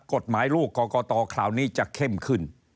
กฎหมายลูกกรกตคราวนี้จะเข้มขึ้น